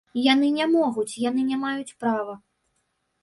Яны не могуць, яны не маюць права.